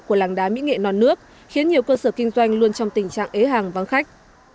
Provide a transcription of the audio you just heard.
của làng đá mỹ nghệ non nước khiến nhiều cơ sở kinh doanh luôn trong tình trạng ế hàng vắng khách